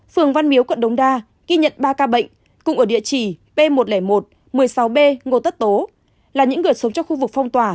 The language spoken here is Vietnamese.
phường văn miếu quận đống đa ghi nhận ba ca bệnh cùng ở địa chỉ p một trăm linh một một mươi sáu b ngô tất tố là những người sống trong khu vực phong tỏa